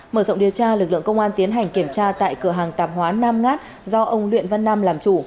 mở rộng điều tra lực lượng công an tiến hành kiểm tra tại cửa hàng tạp hóa nam ngát do ông luyện văn nam làm chủ